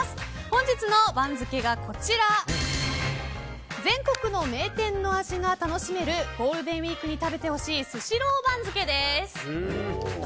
本日の番付が全国の名店の味が楽しめるゴールデンウィークに食べてほしいスシロー番付です。